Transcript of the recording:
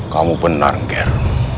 kamu benar nger